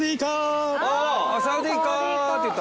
サワディーカップって言った。